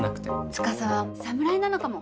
司は侍なのかも。